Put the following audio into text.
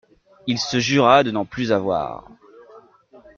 Il se jura de n'en plus avoir.